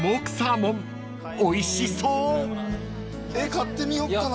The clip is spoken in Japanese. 買ってみよっかな。